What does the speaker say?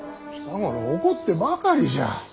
近頃怒ってばかりじゃ。